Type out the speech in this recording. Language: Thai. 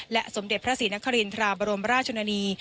สมเด็จพระศรีนครินทราบรมราชนี